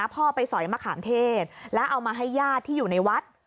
พ่อไปสอยมะขามเทศแล้วเอามาให้ญาติที่อยู่ในวัด